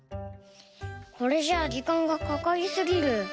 これじゃあじかんがかかりすぎる。